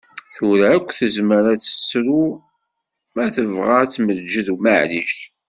Tura akka tezmer ad tettru, ma tebɣa ad ttmeǧǧed, maɛlic.